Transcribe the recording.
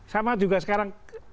sama juga sekarang